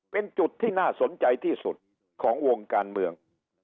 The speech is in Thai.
เป็นจุดที่น่าสนใจที่สุดของวงการเมือง